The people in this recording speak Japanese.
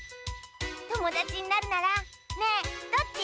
ともだちになるならねえどっち？